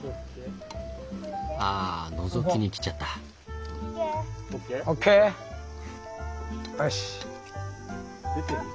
あのぞきに来ちゃった。ＯＫ？ＯＫ？よし。